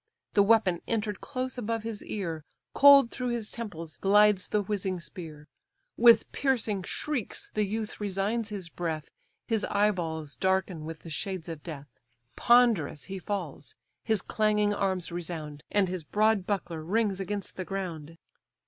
The weapon entered close above his ear, Cold through his temples glides the whizzing spear; With piercing shrieks the youth resigns his breath, His eye balls darken with the shades of death; Ponderous he falls; his clanging arms resound, And his broad buckler rings against the ground.